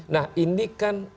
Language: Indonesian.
nah ini kan